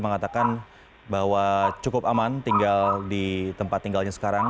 mengatakan bahwa cukup aman tinggal di tempat tinggalnya sekarang